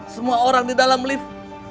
semua orang di dalam lift